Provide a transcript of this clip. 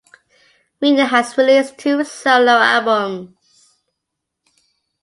Rayner has released two solo albums.